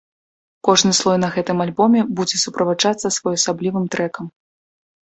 Кожны слой на гэтым альбоме будзе суправаджацца своеасаблівым трэкам.